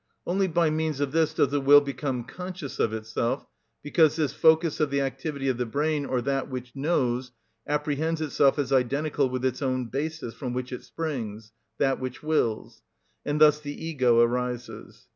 Only by means of this does the will become conscious of itself, because this focus of the activity of the brain, or that which knows, apprehends itself as identical with its own basis, from which it springs, that which wills; and thus the ego arises.